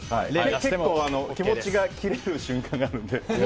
結構気持ちが切れる瞬間があるので。